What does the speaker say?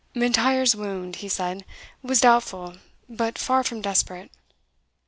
"M'Intyre's wound," he said, "was doubtful, but far from desperate."